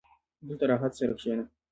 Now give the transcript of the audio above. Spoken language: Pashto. • دلته راحت سره کښېنه.